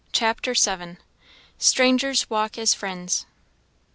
CHAPTER VII. "Strangers walk as friends."